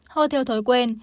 hò theo thói quen